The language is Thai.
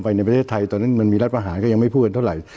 ในประเทศไทยตอนนั้นมันมีรัฐประหารก็ยังไม่พูดกันเท่าไหร่